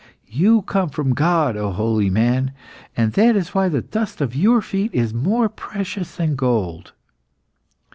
You come from God, O holy man, and that is why the dust of your feet is more precious than gold."